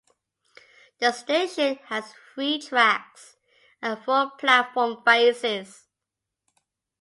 The station has three tracks and four platform faces.